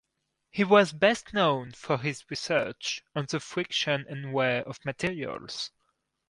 He was best known for his research on the friction and wear of materials.